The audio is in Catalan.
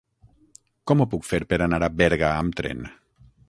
Com ho puc fer per anar a Berga amb tren?